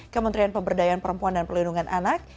kementerian pemberdayaan perempuan dan perlindungan anak